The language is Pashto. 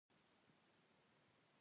مرګونو ته یې د شهادت پرتګونه وراغوستل.